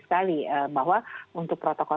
sekali bahwa untuk protokol